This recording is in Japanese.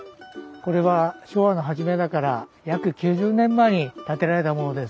これは昭和の初めだから約９０年前に建てられたものです。